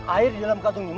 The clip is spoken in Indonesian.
air di dalam kantong ini